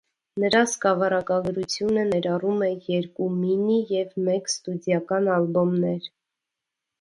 Նրա սկավառակագրությունը ներառում է երկու մինի և մեկ ստուդիական ալբոմներ։